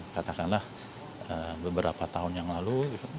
katakanlah beberapa tahun yang lalu